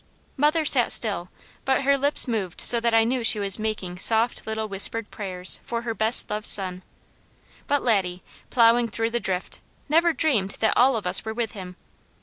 Mother sat still, but her lips moved so that I knew she was making soft little whispered prayers for her best loved son. But Laddie, plowing through the drift, never dreamed that all of us were with him.